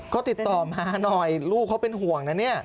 ก็ติดต่อมาหน่อยลูกเขาเป็นห่วงนะเนี่ย